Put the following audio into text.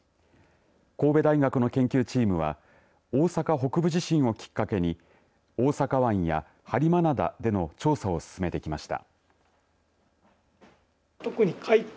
神戸大学の研究チームは大阪北部地震をきっかけに大阪湾や播磨灘での調査を進めてきました。